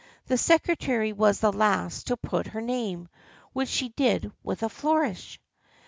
The secretary was the last to put her name, which she did with a flourish.